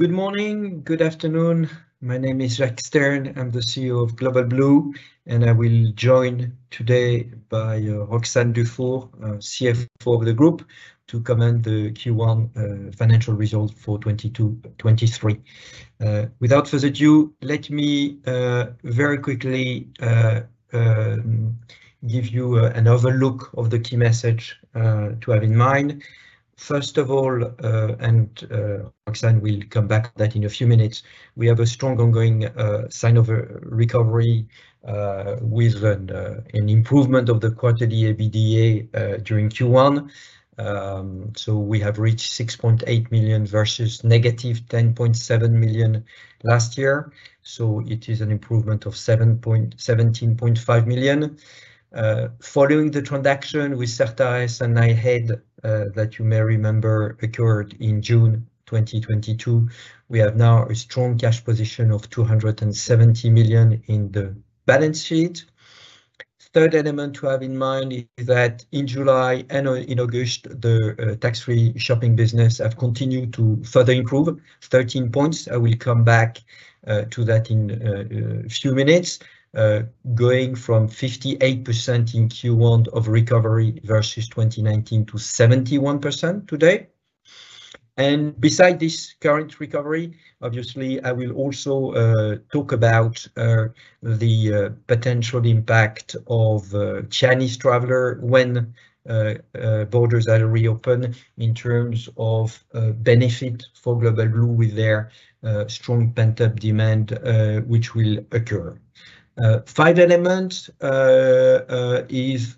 Good morning. Good afternoon. My name is Jacques Stern. I'm the CEO of Global Blue, and I'm joined today by Roxane Dufour, CFO of the group to comment on the Q1 financial results for 2022-2023. Without further ado, let me very quickly give you an overview of the key message to have in mind. First of all, Roxane will come back to that in a few minutes. We have a strong ongoing sign of a recovery with an improvement of the quarterly EBITDA during Q1. We have reached 6.8 million versus -10.7 million last year. It is an improvement of 17.5 million. Following the transaction with Certares and Knighthead, that you may remember occurred in June 2022, we have now a strong cash position of 270 million in the balance sheet. Third element to have in mind is that in July and in August, the tax-free shopping business have continued to further improve, 13 points. I will come back to that in a few minutes, going from 58% in Q1 of recovery versus 2019 to 71% today. Besides this current recovery, obviously, I will also talk about the potential impact of Chinese traveler when borders are reopened in terms of benefit for Global Blue with their strong pent-up demand, which will occur. Fifth element is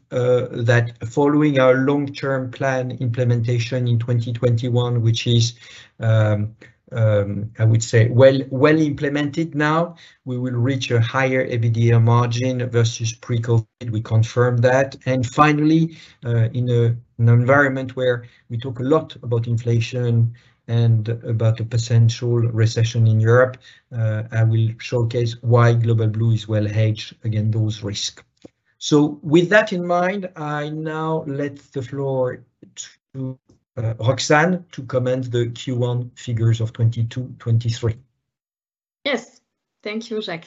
that following our long-term plan implementation in 2021, which is, I would say, well implemented now, we will reach a higher EBITDA margin versus pre-COVID. We confirm that. Finally, in an environment where we talk a lot about inflation and about a potential recession in Europe, I will showcase why Global Blue is well hedged against those risk. With that in mind, I now give the floor to Roxane to comment the Q1 figures of 2022-2023. Yes. Thank you, Jacques.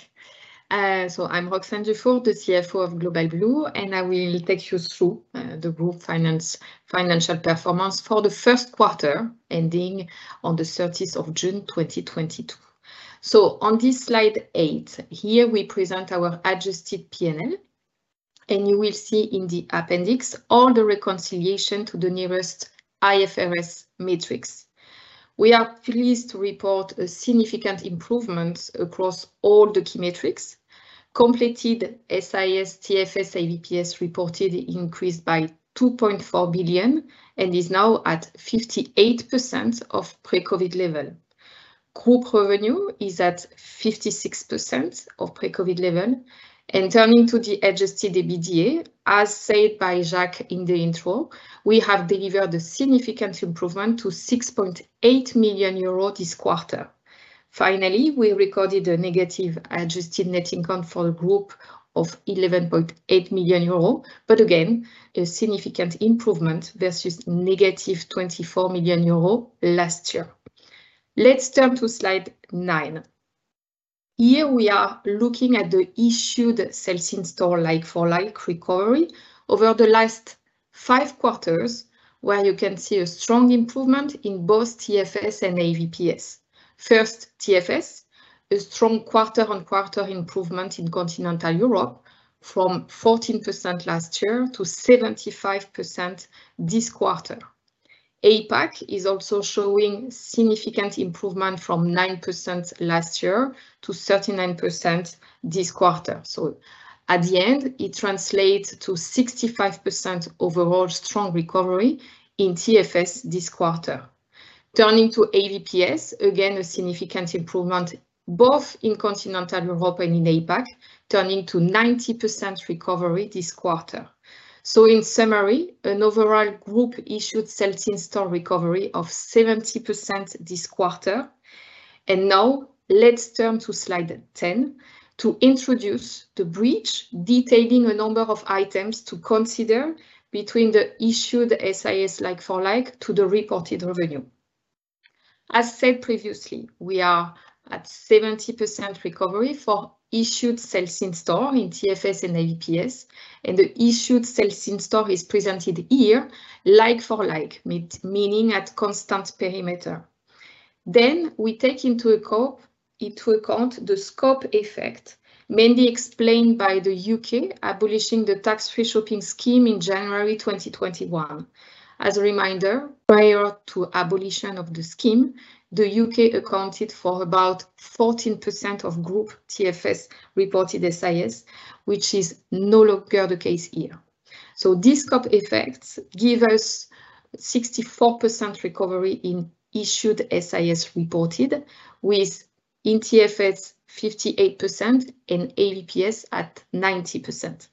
I'm Roxane Dufour, the CFO of Global Blue, and I will take you through the group financial performance for the first quarter, ending on June 30th 2022. On this slide eight, here we present our adjusted P&L, and you will see in the appendix all the reconciliation to the nearest IFRS metrics. We are pleased to report a significant improvement across all the key metrics. Completed SIS TFS AVPS reported increase by 2.4 billion and is now at 58% of pre-COVID level. Group revenue is at 56% of pre-COVID level. Turning to the adjusted EBITDA, as said by Jacques in the intro, we have delivered a significant improvement to 6.8 million euros this quarter. Finally, we recorded a negative adjusted net income for the group of 11.8 million euro, but again, a significant improvement versus negative 24 million euro last year. Let's turn to slide nine. Here, we are looking at the issued sales in-store like-for-like recovery over the last five quarters, where you can see a strong improvement in both TFS and AVPS. First, TFS, a strong quarter-on-quarter improvement in Continental Europe from 14% last year to 75% this quarter. APAC is also showing significant improvement from 9% last year to 39% this quarter. So at the end, it translates to 65% overall strong recovery in TFS this quarter. Turning to AVPS, again, a significant improvement, both in Continental Europe and in APAC, turning to 90% recovery this quarter. In summary, an overall group issued sales in-store recovery of 70% this quarter. Now let's turn to slide 10 to introduce the bridge detailing a number of items to consider between the issued SIS like-for-like to the reported revenue. As said previously, we are at 70% recovery for issued sales in-store in TFS and AVPS, and the issued sales in store is presented here like-for-like, meaning at constant perimeter. We take into account the scope effect, mainly explained by the U.K. abolishing the Tax Free Shopping scheme in January 2021. As a reminder, prior to abolition of the scheme, the U.K. accounted for about 14% of group TFS reported SIS, which is no longer the case here. This scope effects give us 64% recovery in issued SIS reported, with TFS 58% and AVPS at 90%.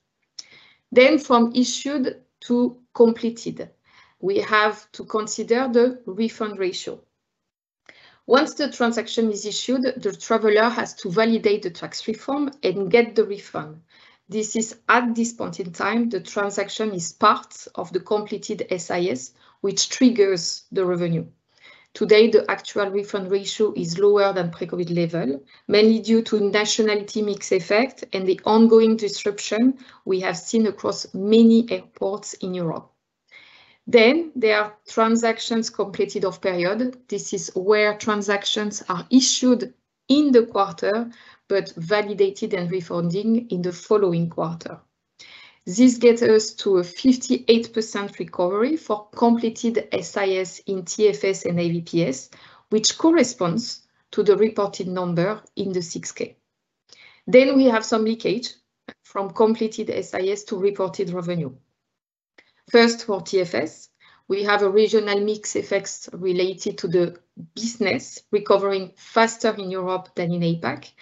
From issued to completed, we have to consider the refund ratio. Once the transaction is issued, the traveler has to validate the tax refund and get the refund. This is at this point in time, the transaction is part of the completed SIS, which triggers the revenue. Today, the actual refund ratio is lower than pre-COVID level, mainly due to nationality mix effect and the ongoing disruption we have seen across many airports in Europe. There are transactions completed off period. This is where transactions are issued in the quarter, but validated and refunded in the following quarter. This gets us to a 58% recovery for completed SIS in TFS and AVPS, which corresponds to the reported number in the 6-K. We have some leakage from completed SIS to reported revenue. First for TFS, we have a regional mix effects related to the business recovering faster in Europe than in APAC,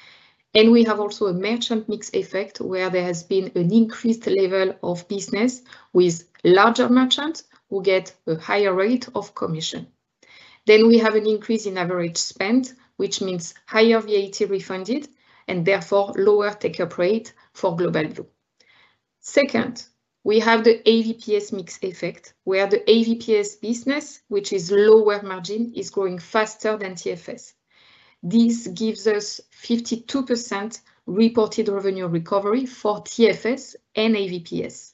and we have also a merchant mix effect where there has been an increased level of business with larger merchants who get a higher rate of commission. Then we have an increase in average spend, which means higher VAT refunded and therefore lower take-up rate for Global Blue. Second, we have the AVPS mix effect, where the AVPS business, which is lower margin, is growing faster than TFS. This gives us 52% reported revenue recovery for TFS and AVPS.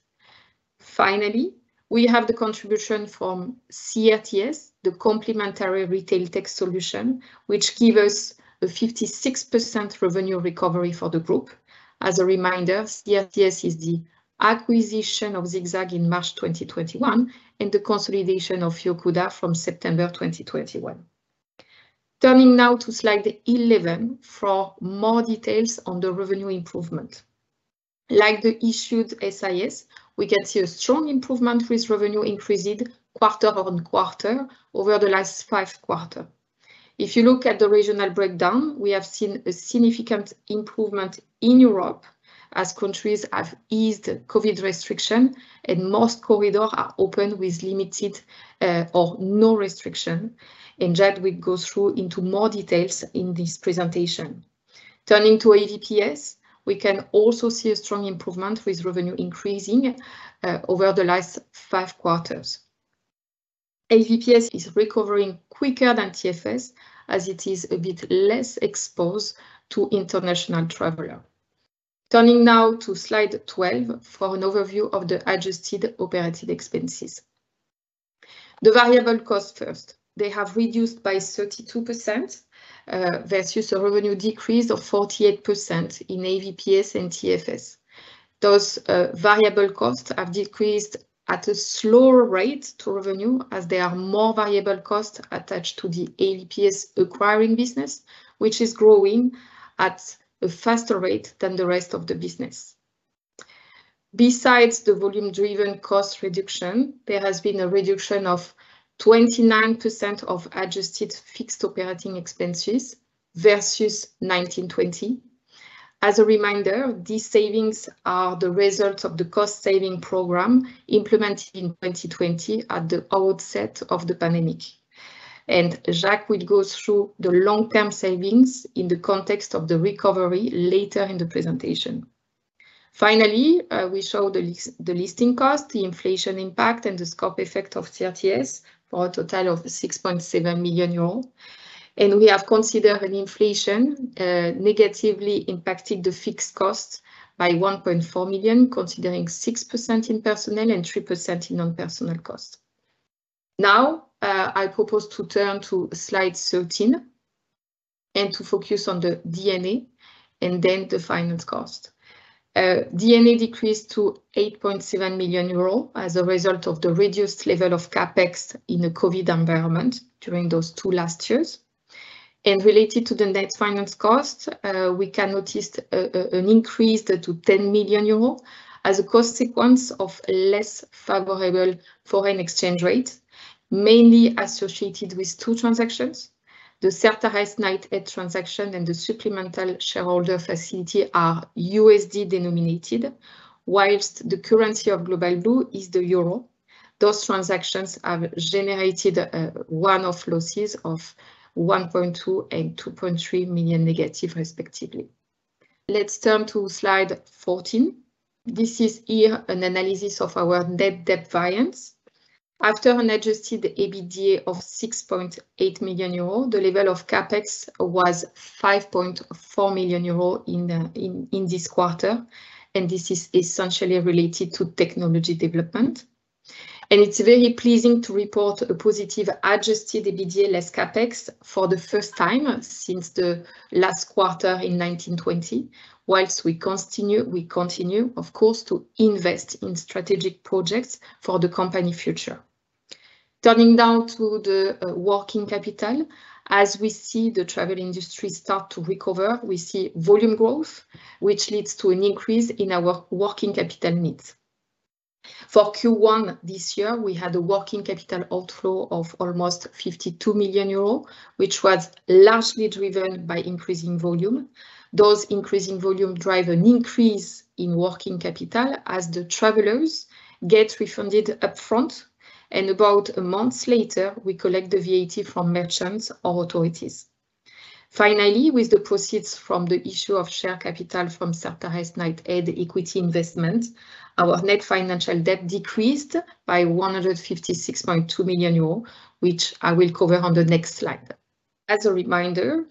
Finally, we have the contribution from CRTS, the complementary retail tech solution, which give us a 56% revenue recovery for the group. As a reminder, CRTS is the acquisition of ZigZag in March 2021, and the consolidation of Yocuda from September 2021. Turning now to slide 11 for more details on the revenue improvement. Like the issued SIS, we can see a strong improvement with revenue increased quarter-on-quarter over the last five quarters. If you look at the regional breakdown, we have seen a significant improvement in Europe as countries have eased COVID restrictions and most corridors are open with limited or no restriction. Jacques will go into more details in this presentation. Turning to AVPS, we can also see a strong improvement with revenue increasing over the last five quarters. AVPS is recovering quicker than TFS, as it is a bit less exposed to international travelers. Turning now to slide 12 for an overview of the adjusted operating expenses. The variable costs first. They have reduced by 32% versus a revenue decrease of 48% in AVPS and TFS. Those variable costs have decreased at a slower rate to revenue, as there are more variable costs attached to the AVPS acquiring business, which is growing at a faster rate than the rest of the business. Besides the volume-driven cost reduction, there has been a reduction of 29% of adjusted fixed operating expenses versus 2019-2020. As a reminder, these savings are the result of the cost-saving program implemented in 2020 at the outset of the pandemic. Jacques will go through the long-term savings in the context of the recovery later in the presentation. Finally, we show the listing cost, the inflation impact, and the scope effect of CRTS for a total of 6.7 million euros. We have considered inflation negatively impacted the fixed costs by 1.4 million, considering 6% in personnel and 3% in non-personnel costs. Now, I propose to turn to slide 13 and to focus on the D&A and then the finance cost. D&A decreased to 8.7 million euros as a result of the reduced level of CapEx in a COVID environment during the last two years. Related to the net finance cost, we can notice an increase to 10 million euros as a consequence of less favorable foreign exchange rate, mainly associated with two transactions. The Certares Knighthead transaction and the supplemental shareholder facility are USD denominated, while the currency of Global Blue is the euro. Those transactions have generated one-off losses of 1.2 million and 2.3 million negative respectively. Let's turn to slide 14. This is here an analysis of our net debt variance. After an adjusted EBITDA of 6.8 million euro, the level of CapEx was 5.4 million euro in this quarter, and this is essentially related to technology development. It's very pleasing to report a positive adjusted EBITDA less CapEx for the first time since the last quarter in 2019-2020, while we continue, of course, to invest in strategic projects for the company future. Turning now to the working capital. As we see the travel industry start to recover, we see volume growth, which leads to an increase in our working capital needs. For Q1 this year, we had a working capital outflow of almost 52 million euros, which was largely driven by increasing volume. Those increasing volume drive an increase in working capital as the travelers get refunded up front, and about a month later, we collect the VAT from merchants or authorities. Finally, with the proceeds from the issue of share capital from Certares, Knighthead Equity Investment, our net financial debt decreased by 156.2 million euros, which I will cover on the next slide. As a reminder,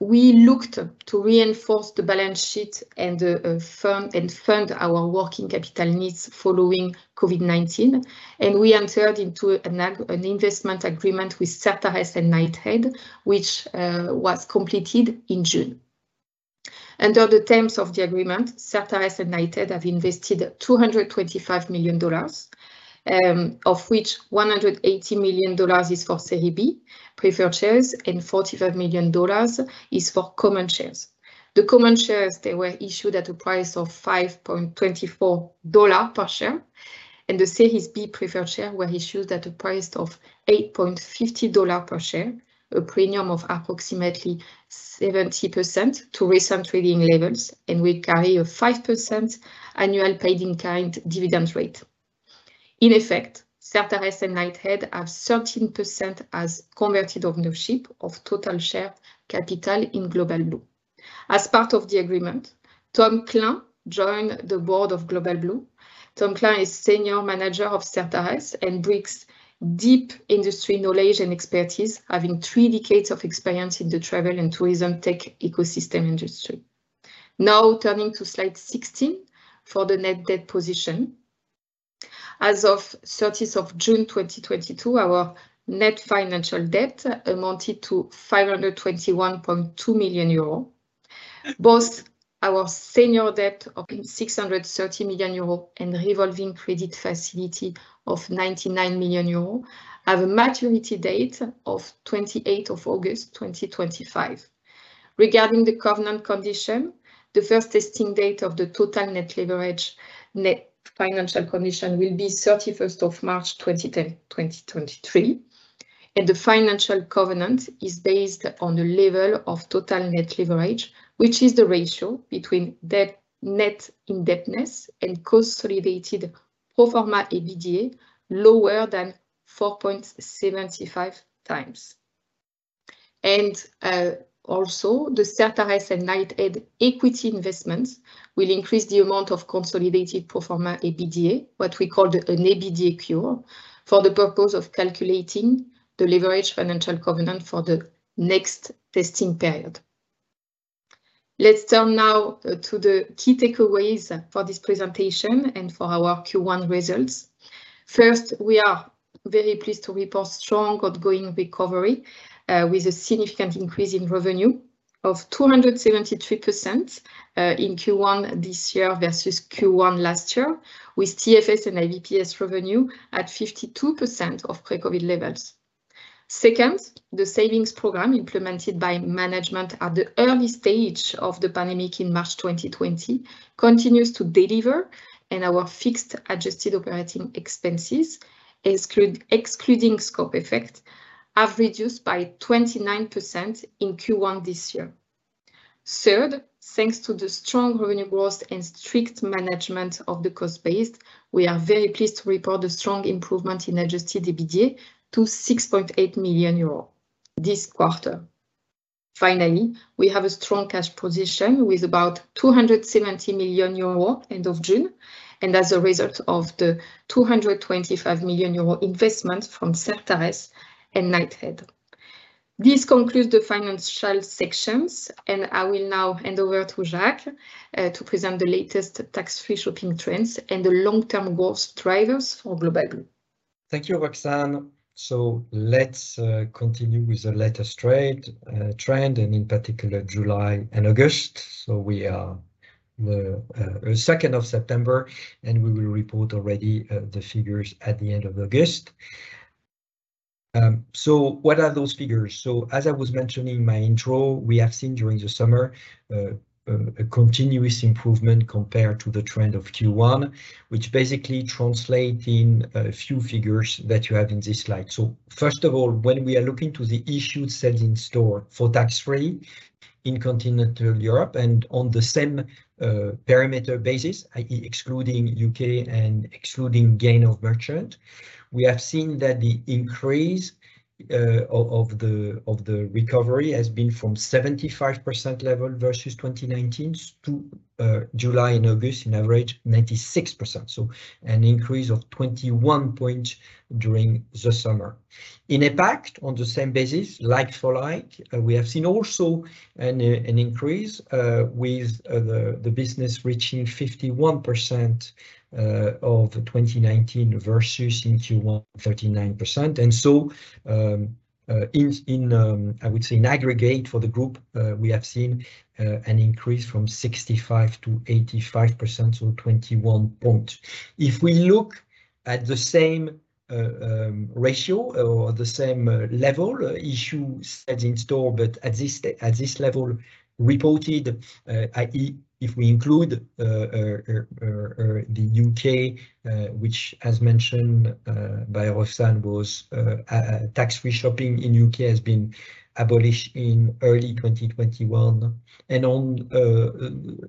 we looked to reinforce the balance sheet and firm and fund our working capital needs following COVID-19, and we entered into an investment agreement with Certares and Knighthead, which was completed in June. Under the terms of the agreement, Certares and Knighthead have invested $225 million, of which $180 million is for Series B Preferred Shares and $45 million is for common shares. The common shares, they were issued at a price of $5.24 per share, and the Series B Preferred Shares were issued at a price of $8.50 per share, a premium of approximately 70% to recent trading levels, and will carry a 5% annual paid-in-kind dividend rate. In effect, Certares and Knighthead have 13% as converted ownership of total share capital in Global Blue. As part of the agreement, Tom Klein joined the board of Global Blue. Tom Klein is Senior Managing Director of Certares and brings deep industry knowledge and expertise, having three decades of experience in the travel and tourism tech ecosystem industry. Now turning to slide 16 for the net debt position. As of June 30, 2022, our net financial debt amounted to 521.2 million euros. Both our senior debt of 630 million euros and revolving credit facility of 99 million euros have a maturity date of August 28th, 2025. Regarding the covenant condition, the first testing date of the total net leverage, net financial condition will be March 31st, 2023, and the financial covenant is based on the level of total net leverage, which is the ratio between debt, net indebtedness and consolidated pro forma EBITDA lower than 4.75 times. Also, the Certares and Knighthead equity investments will increase the amount of consolidated pro forma EBITDA, what we call an EBITDA cure, for the purpose of calculating the leverage financial covenant for the next testing period. Let's turn now to the key takeaways for this presentation and for our Q1 results. First, we are very pleased to report strong ongoing recovery, with a significant increase in revenue of 273%, in Q1 this year versus Q1 last year, with TFS and AVPS revenue at 52% of pre-COVID levels. Second, the savings program implemented by management at the early stage of the pandemic in March 2020 continues to deliver, and our fixed adjusted operating expenses, excluding scope effect, have reduced by 29% in Q1 this year. Third, thanks to the strong revenue growth and strict management of the cost base, we are very pleased to report a strong improvement in adjusted EBITDA to 6.8 million euro this quarter. Finally, we have a strong cash position with about 270 million euro end of June, and as a result of the $225 million investment from Certares and Knighthead. This concludes the financial sections, and I will now hand over to Jacques to present the latest Tax Free Shopping trends and the long-term growth drivers for Global Blue. Thank you, Roxane. Let's continue with the latest trade trend, and in particular July and August. We are September 2nd, and we will report already the figures at the end of August. What are those figures? As I was mentioning in my intro, we have seen during the summer a continuous improvement compared to the trend of Q1, which basically translate in a few figures that you have in this slide. First of all, when we are looking to the issued sales in-store for tax-free in continental Europe and on the same parameter basis, i.e., excluding U.K. and excluding gains from merchants, we have seen that the increase of the recovery has been from 75% level versus 2019 to July and August on average 96%, so a 21-point increase during the summer. The impact on the same basis, like-for-like, we have seen also an increase with the business reaching 51% of the 2019 versus in Q1 39%. I would say in aggregate for the group, we have seen an increase from 65% to 85%, so 21-point. If we look at the same ratio or the same level issues as in store, but at this level reported, i.e., if we include the U.K., which as mentioned by Roxane was tax-free shopping in U.K. has been abolished in early 2021.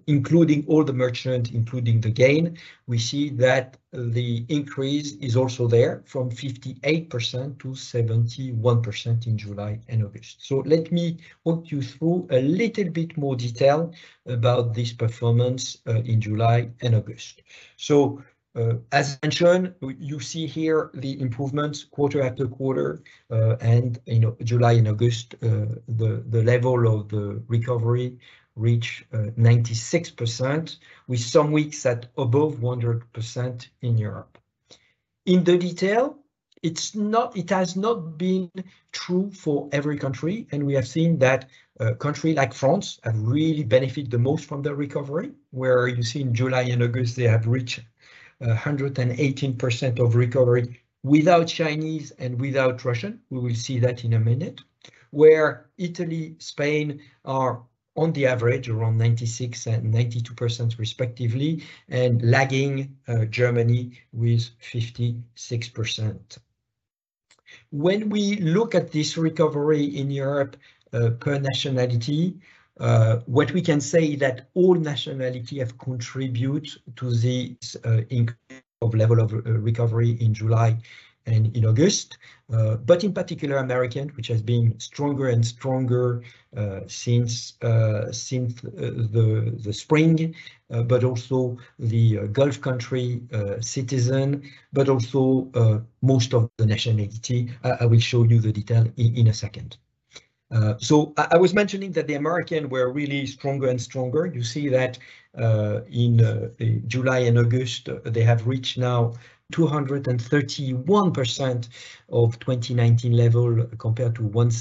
Including all the merchants, including the gain, we see that the increase is also there from 58% to 71% in July and August. Let me walk you through a little bit more detail about this performance in July and August. As mentioned, you see here the improvements quarter after quarter. You know, July and August, the level of the recovery reached 96% with some weeks at above 100% in Europe. In the detail, it has not been true for every country, and we have seen that countries like France have really benefited the most from the recovery, where you see in July and August they have reached 118% of recovery without Chinese and without Russian. We will see that in a minute. Where Italy, Spain are on the average around 96% and 92% respectively, and lagging Germany with 56%. When we look at this recovery in Europe, per nationality, what we can say that all nationality have contribute to this level of recovery in July and in August. In particular American, which has been stronger and stronger since the spring, but also the Gulf country citizen, but also most of the nationality. I will show you the detail in a second. I was mentioning that the Americans were really stronger and stronger. You see that in July and August, they have reached now 231% of 2019 level compared to 179%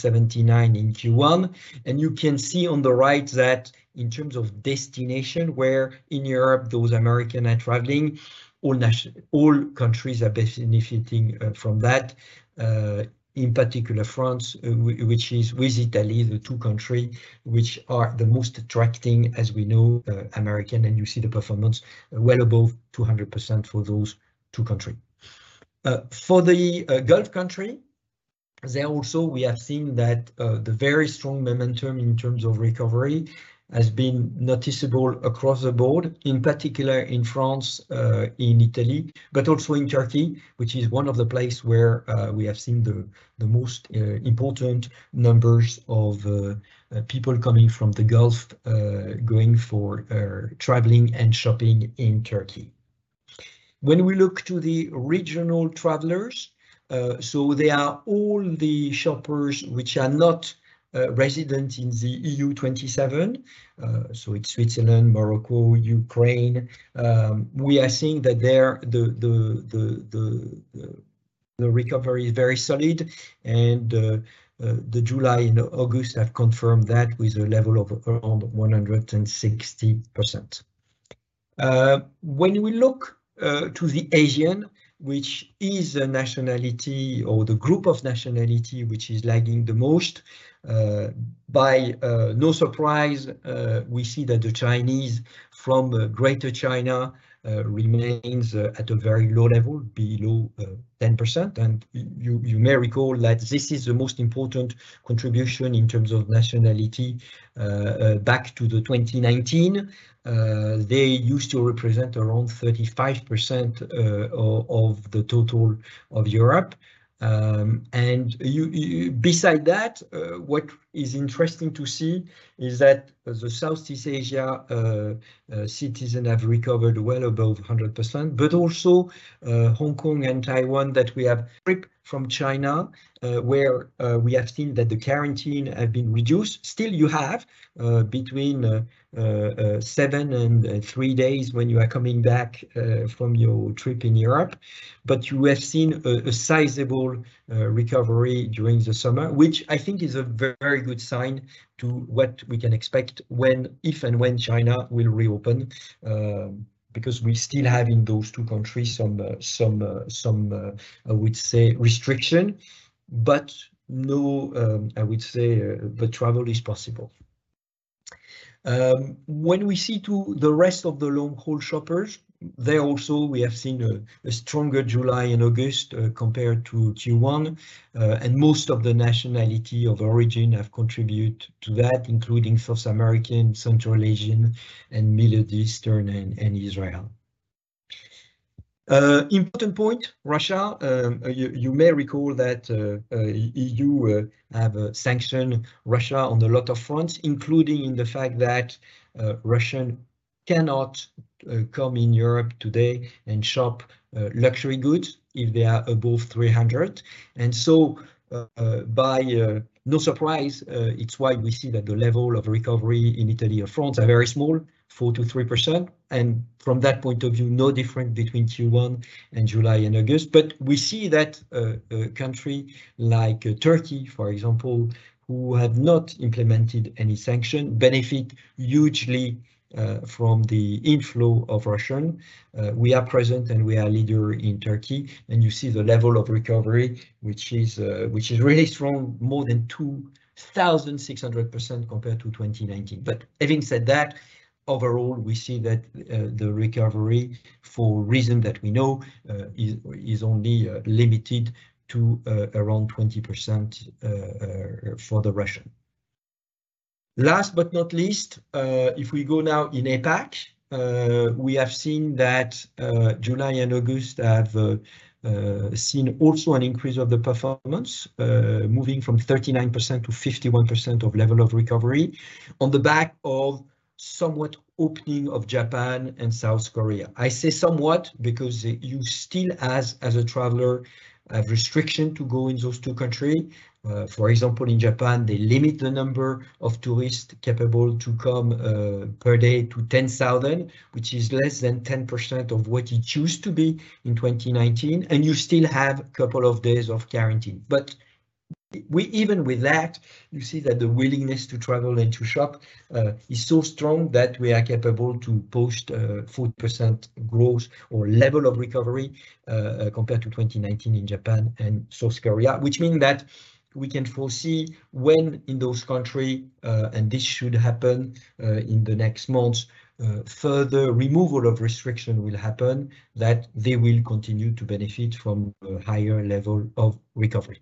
in Q1. You can see on the right that in terms of destination, where in Europe those Americans are traveling, all countries are benefiting from that, in particular France, which is with Italy, the two countries which are the most attractive, as we know, Americans, and you see the performance well above 200% for those two countries. For the Gulf country, there also we have seen that the very strong momentum in terms of recovery has been noticeable across the board, in particular in France, in Italy, but also in Turkey, which is one of the place where we have seen the most important numbers of people coming from the Gulf going for traveling and shopping in Turkey. When we look to the regional travelers, they are all the shoppers which are not resident in the EU 27. It's Switzerland, Morocco, Ukraine. We are seeing that there the recovery is very solid and the July and August have confirmed that with a level of around 160%. When we look to the Asians, which is a nationality or the group of nationalities which is lagging the most, by no surprise, we see that the Chinese from Greater China remains at a very low level, below 10%. You may recall that this is the most important contribution in terms of nationality back to 2019. They used to represent around 35% of the total of Europe. Besides that, what is interesting to see is that the Southeast Asia citizen have recovered well above 100%, but also Hong Kong and Taiwan that we have trips from China, where we have seen that the quarantine have been reduced. Still, you have between seven and three days when you are coming back from your trip in Europe. You have seen a sizable recovery during the summer, which I think is a very good sign to what we can expect when, if and when China will reopen. Because we still have in those two countries some restrictions, but travel is possible. When we see to the rest of the long-haul shoppers, they also, we have seen a stronger July and August compared to Q1. Most of the nationalities of origin have contributed to that, including South American, Central Asian and Middle Eastern and Israel. Important point, Russia. You may recall that E.U. have sanctioned Russia on a lot of fronts, including the fact that Russians cannot come in Europe today and shop luxury goods if they are above 300. By no surprise, it's why we see that the level of recovery in Italy and France are very small, 3%-4%, and from that point of view, no different between Q1 and July and August. We see that country like Turkey, for example, who have not implemented any sanction, benefit hugely from the inflow of Russians. We are present and we are leader in Turkey, and you see the level of recovery, which is really strong, more than 2,600% compared to 2019. Having said that, overall, we see that the recovery, for reason that we know, is only limited to around 20% for Russia. Last but not least, if we go now in APAC, we have seen that July and August have seen also an increase of the performance, moving from 39% to 51% of level of recovery on the back of somewhat opening of Japan and South Korea. I say somewhat because you still, as a traveler, have restriction to go in those two country. For example, in Japan, they limit the number of tourists capable to come per day to 10,000, which is less than 10% of what it used to be in 2019, and you still have couple of days of quarantine. Even with that, you see that the willingness to travel and to shop is so strong that we are capable to post 40% growth or level of recovery compared to 2019 in Japan and South Korea. Which means that we can foresee when, in those countries, and this should happen, in the next months, further removal of restrictions will happen, that they will continue to benefit from a higher level of recovery.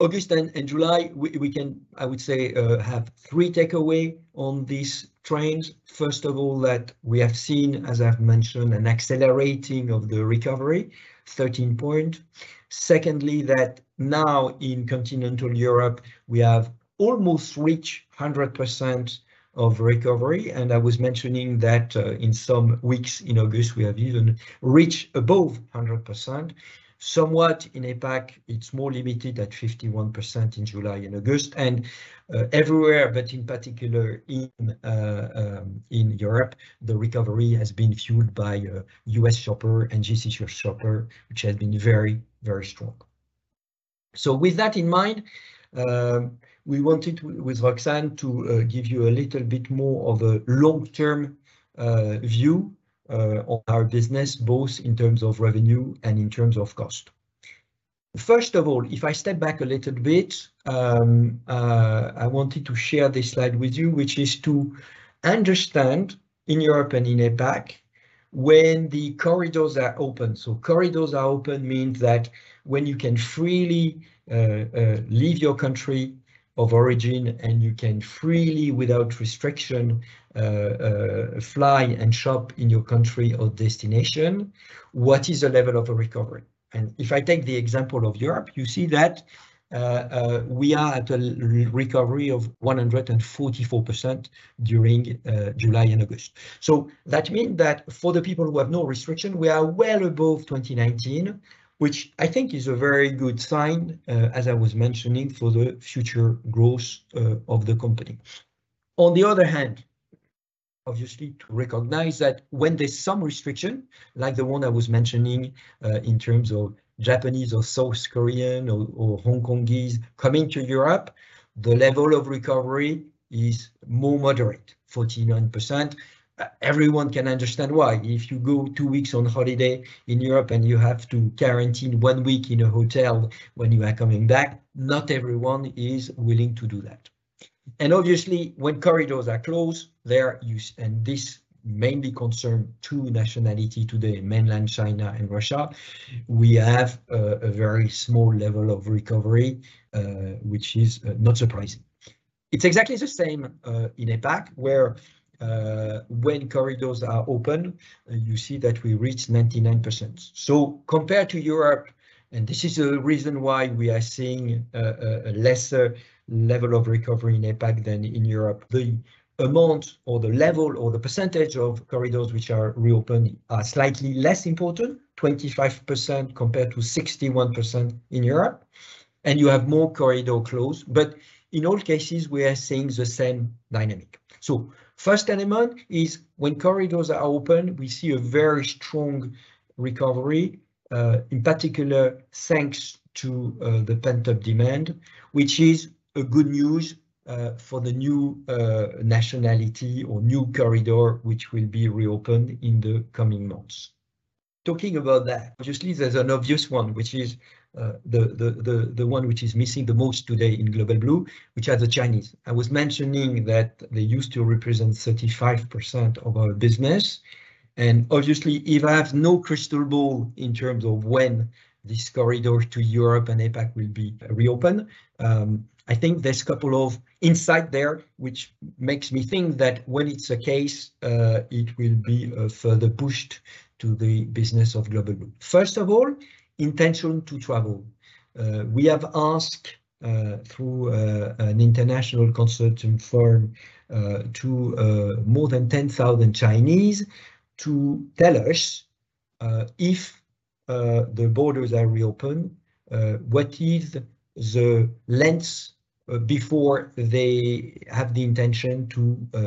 August and July, we can, I would say, have three takeaways on this trend. First of all, that we have seen, as I've mentioned, an acceleration of the recovery, 13-point. Secondly, that now in continental Europe, we have almost reached 100% of recovery, and I was mentioning that, in some weeks in August, we have even reached above 100%. Somewhat in APAC, it's more limited at 51% in July and August. Everywhere, but in particular in Europe, the recovery has been fueled by U.S. shopper and GCC shopper, which has been very, very strong. With that in mind, we wanted, with Roxane, to give you a little bit more of a long-term view on our business, both in terms of revenue and in terms of cost. First of all, if I step back a little bit, I wanted to share this slide with you, which is to understand, in Europe and in APAC, when the corridors are open. Corridors are open means that when you can freely leave your country of origin, and you can freely, without restriction, fly and shop in your country of destination, what is the level of recovery? If I take the example of Europe, you see that we are at a recovery of 144% during July and August. That mean that for the people who have no restriction, we are well above 2019, which I think is a very good sign, as I was mentioning, for the future growth of the company. On the other hand, obviously to recognize that when there's some restriction, like the one I was mentioning, in terms of Japanese or South Korean or Hongkongese coming to Europe, the level of recovery is more moderate, 49%. Everyone can understand why. If you go two weeks on holiday in Europe, and you have to quarantine one week in a hotel when you are coming back, not everyone is willing to do that. Obviously, when corridors are closed, and this mainly concerns two nationalities today, Mainland China and Russia, we have a very small level of recovery, which is not surprising. It's exactly the same in APAC, where when corridors are open, you see that we reach 99%. Compared to Europe, and this is the reason why we are seeing a lesser level of recovery in APAC than in Europe, the amount or the level or the percentage of corridors which are reopen are slightly less important, 25% compared to 61% in Europe, and you have more corridors closed. In all cases, we are seeing the same dynamic. First element is when corridors are open, we see a very strong recovery, in particular thanks to the pent-up demand, which is good news, for the new nationality or new corridor which will be reopened in the coming months. Talking about that, obviously there's an obvious one, which is the one which is missing the most today in Global Blue, which are the Chinese. I was mentioning that they used to represent 35% of our business. And obviously, even I have no crystal ball in terms of when this corridor to Europe and APAC will be reopen, I think there's couple of insight there which makes me think that when it's the case, it will be a further boost to the business of Global Blue. First of all, intention to travel. We have asked, through an international consulting firm, to more than 10,000 Chinese to tell us, if the borders are reopened, what is the length before they have the intention to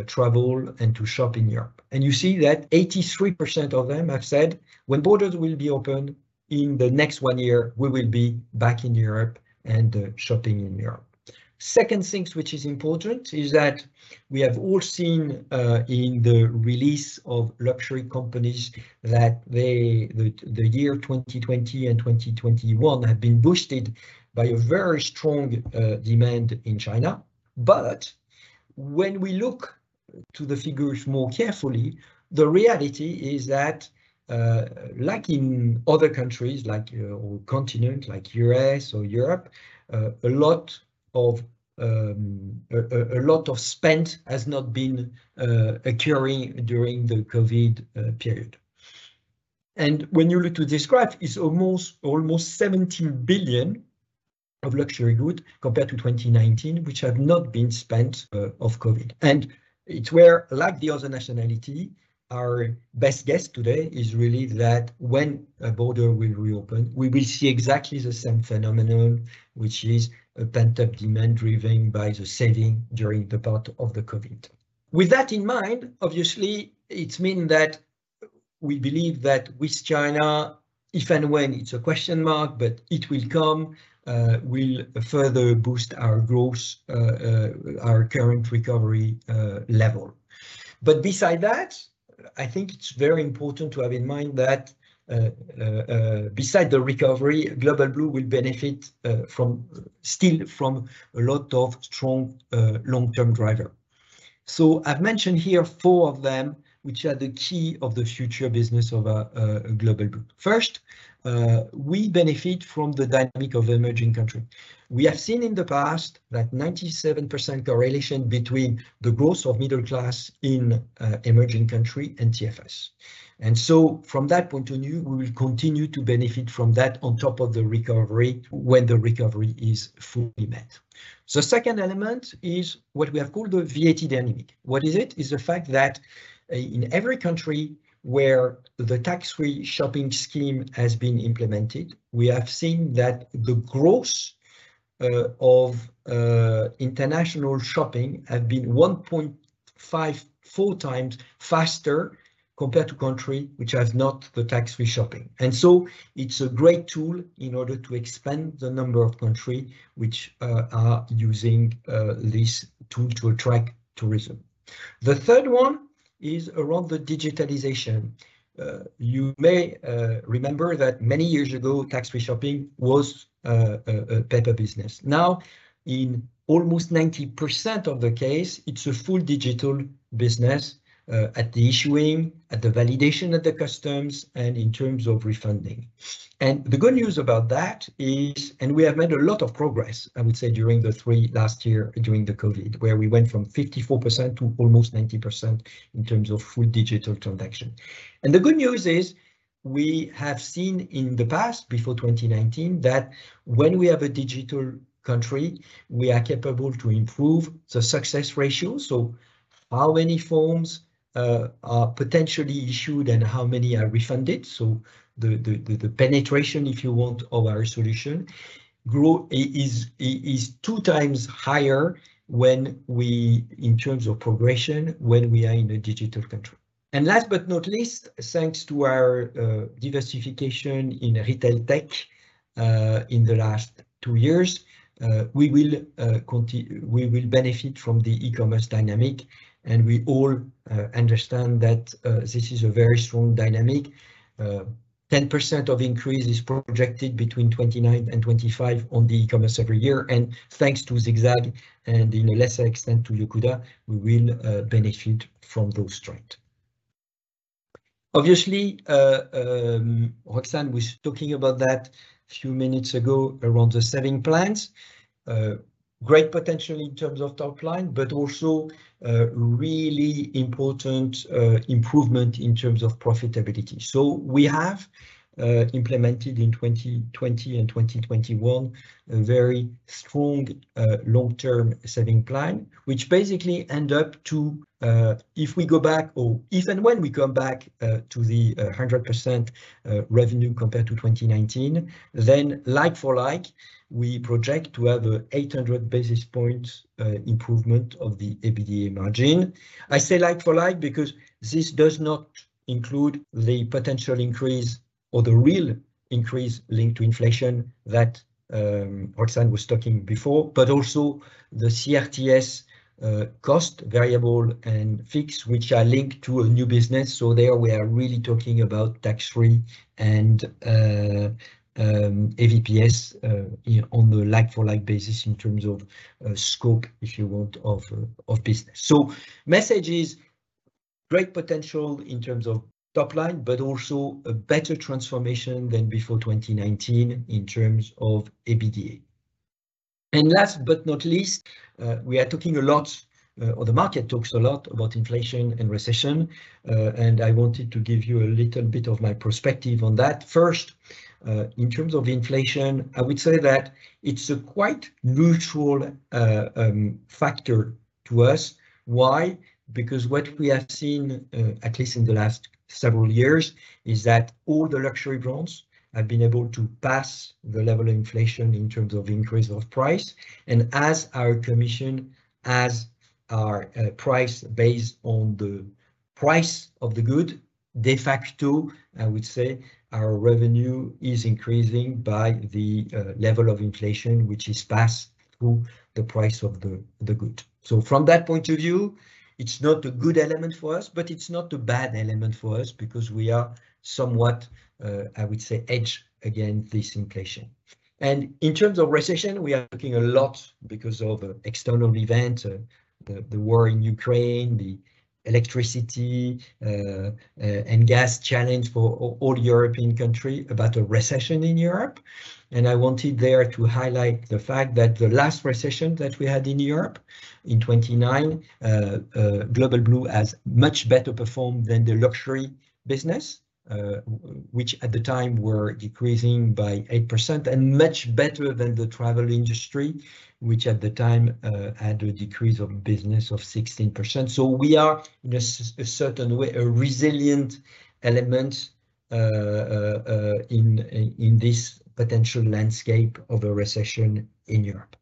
travel and to shop in Europe. You see that 83% of them have said, "When borders will be open in the next 1 year, we will be back in Europe and shopping in Europe." Second things which is important is that we have all seen, in the release of luxury companies that they, the year 2020 and 2021 have been boosted by a very strong demand in China. When we look to the figures more carefully, the reality is that, like in other countries, like, or continent like U.S. or Europe, a lot of spend has not been occurring during the COVID period. When you look to this graph, it's almost 17 billion of luxury good compared to 2019 which had not been spent of COVID. It's where, like the other nationality, our best guess today is really that when a border will reopen, we will see exactly the same phenomenon, which is a pent-up demand driven by the saving during the part of the COVID. With that in mind, obviously, it mean that we believe that with China, if and when, it's a question mark, but it will come, will further boost our growth, our current recovery level. Besides that, I think it's very important to have in mind that, besides the recovery, Global Blue will benefit from still from a lot of strong long-term driver. I've mentioned here four of them which are the key of the future business of Global Blue. First, we benefit from the dynamic of emerging country. We have seen in the past that 97% correlation between the growth of middle class in emerging country and TFS. From that point of view, we will continue to benefit from that on top of the recovery when the recovery is fully met. The second element is what we have called the VAT dynamic. What is it? It's the fact that in every country where the Tax Free Shopping scheme has been implemented, we have seen that the growth of international shopping have been 1.54 times faster compared to country which has not the Tax Free Shopping. It's a great tool in order to expand the number of country which are using this tool to attract tourism. The third one is around the digitalization. You may remember that many years ago, Tax Free Shopping was a paper business. Now, in almost 90% of the case, it's a full digital business at the issuing, at the validation at the customs, and in terms of refunding. The good news about that is, we have made a lot of progress, I would say, during the last three years, during the COVID, where we went from 54% to almost 90% in terms of full digital transaction. The good news is we have seen in the past, before 2019, that when we have a digital country, we are capable to improve the success ratio. How many forms are potentially issued and how many are refunded, so the penetration, if you want, of our solution is two times higher when we, in terms of progression, when we are in a digital country. Last but not least, thanks to our diversification in retail tech, in the last two years, we will benefit from the e-commerce dynamic, and we all understand that this is a very strong dynamic. 10% increase is projected between 2019 and 2025 in e-commerce every year, and thanks to ZigZag and to a lesser extent to Yocuda, we will benefit from those trends. Obviously, Roxane was talking about that a few minutes ago around the savings plans. Great potential in terms of top line, but also really important improvement in terms of profitability. We have implemented in 2020 and 2021 a very strong long-term saving plan, which basically end up to if we go back or even when we come back to the 100% revenue compared to 2019, then like-for-like, we project to have a 800 basis points improvement of the EBITDA margin. I say like-for-like because this does not include the potential increase or the real increase linked to inflation that Roxane was talking before, but also the CRTS cost, variable and fixed, which are linked to a new business. There we are really talking about tax-free and AVPS on the like-for-like basis in terms of scope, if you want, of business. Message is great potential in terms of top line, but also a better transformation than before 2019 in terms of EBITDA. Last but not least, we are talking a lot, or the market talks a lot about inflation and recession, and I wanted to give you a little bit of my perspective on that. First, in terms of inflation, I would say that it's a quite neutral factor to us. Why? Because what we have seen, at least in the last several years, is that all the luxury brands have been able to pass the level of inflation in terms of increase of price. As our commission has our price based on the price of the good, de facto, I would say our revenue is increasing by the level of inflation, which is passed through the price of the good. From that point of view, it's not a good element for us, but it's not a bad element for us because we are somewhat, I would say hedged against this inflation. In terms of recession, we are talking a lot because of external event, the war in Ukraine, the electricity and gas challenge for all European country about a recession in Europe. I wanted there to highlight the fact that the last recession that we had in Europe in 1929, Global Blue has much better performed than the luxury business, which at the time were decreasing by 8% and much better than the travel industry, which at the time, had a decrease of business of 16%. We are, in a certain way, a resilient element, in this potential landscape of a recession in Europe.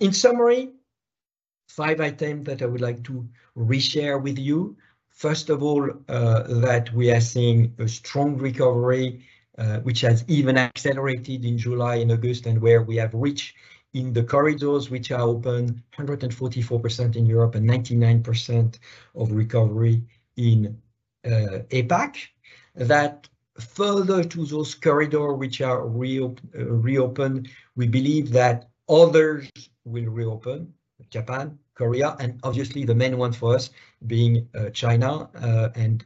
In summary, five item that I would like to re-share with you. First of all, that we are seeing a strong recovery, which has even accelerated in July and August, and where we have reached in the corridors which are open, 144% in Europe and 99% of recovery in, APAC. That further to those corridors which are reopened, we believe that others will reopen, Japan, Korea, and obviously the main one for us being, China. And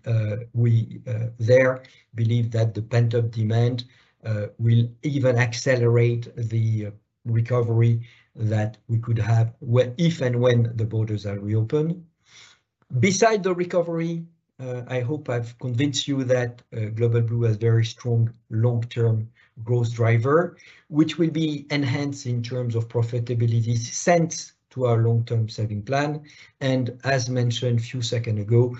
we there believe that the pent-up demand will even accelerate the recovery that we could have when if and when the borders are reopened. Besides the recovery, I hope I've convinced you that Global Blue has very strong long-term growth driver, which will be enhanced in terms of profitability thanks to our long-term savings plan. As mentioned a few seconds ago,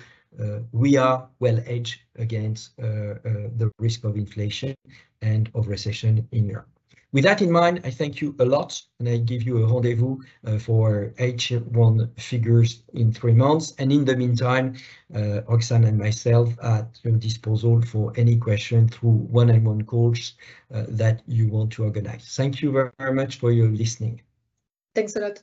we are well hedged against the risk of inflation and of recession in Europe. With that in mind, I thank you a lot, and I give you a rendezvous for H1 figures in three months. In the meantime, Roxane and myself at your disposal for any question through one-on-one calls that you want to organize. Thank you very much for your listening. Thanks a lot.